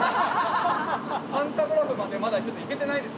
パンタグラフまでまだいけてないです。